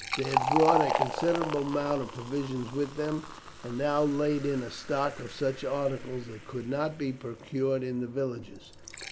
They had brought a considerable amount of provisions with them, and now laid in a stock of such articles as could not be procured in the villages.